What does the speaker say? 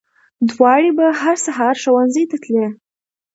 دواړه به هر سهار ښوونځي ته تلې